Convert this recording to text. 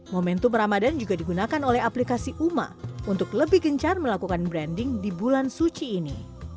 momentum ramadan juga digunakan oleh aplikasi uma untuk lebih gencar melakukan branding di bulan suci ini